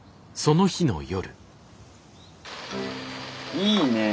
いいねえ。